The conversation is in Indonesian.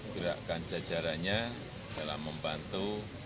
bergerakkan jajarannya dalam membantu